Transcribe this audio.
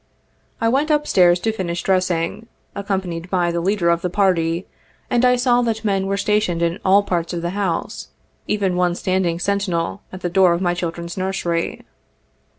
I went up stairs to finish dressing, accompanied by the lea der of the party, and I saw that men were stationed in all parts of the house, one even standing sentinel at the door of my children's nursery.